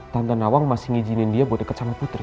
tante nawang masih ngizinin dia buat deket sama putri